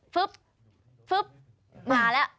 ฟึ๊บฟึ๊บมาแล้ว